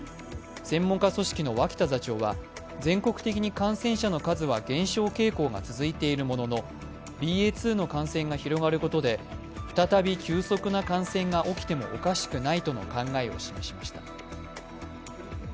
専門家組織の脇田座長は、全国的に感染者の数は減少傾向が続いているものの、ＢＡ．２の感染が広がることで再び急速な感染が起きてもおかしくないとの考えを示しました。